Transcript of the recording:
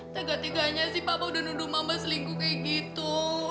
tegak tiga nya sih papa udah nuduh mama selingkuh kayak gitu